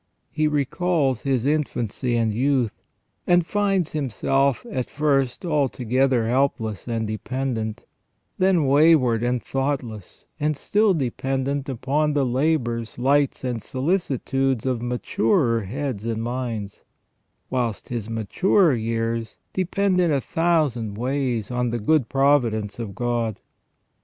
He recalls his infancy and youth, and finds himself at first altogether helpless and dependent, then way ward and thoughtless and still dependent upon the labours, lights, and solicitudes of maturer heads and minds ; whilst his maturer years depend in a thousand ways on the good providence of God.